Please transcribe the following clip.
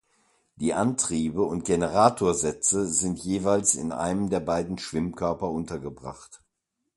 Die Antriebe und Generatorsätze sind jeweils in einem der beiden Schwimmkörper untergebracht.